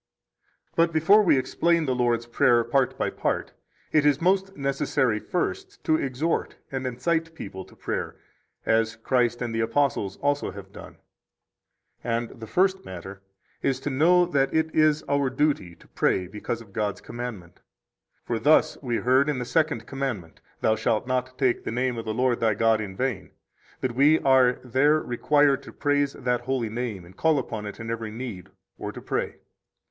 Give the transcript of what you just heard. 4 But before we explain the Lord's Prayer part by part, it is most necessary first to exhort and incite people to prayer, as Christ and the apostles also have done. 5 And the first matter is to know that it is our duty to pray because of God's commandment. For thus we heard in the Second Commandment: Thou shalt not take the name of the Lord, thy God, in vain, that we are there required to praise that holy name, and call upon it in every need, or to pray.